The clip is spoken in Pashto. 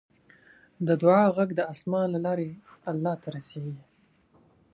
د دعا غږ د اسمان له لارې الله ته رسیږي.